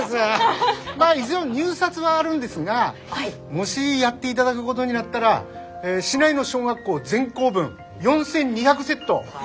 まあ一応入札はあるんですがもしやっていただくごどになったら市内の小学校全校分４，２００セット